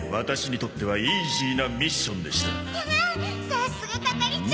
さすが係長！